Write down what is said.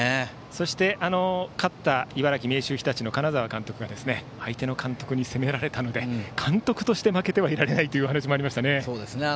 そして勝った茨城・明秀日立の金沢監督は相手の監督に攻められたので監督として負けてはいられないというお話もありましたね。